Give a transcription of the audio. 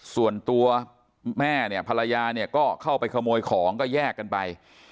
ส่วนตัวแม่เนี่ยภรรยาเนี่ยก็เข้าไปขโมยของก็แยกกันไป